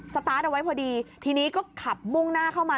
ตาร์ทเอาไว้พอดีทีนี้ก็ขับมุ่งหน้าเข้ามา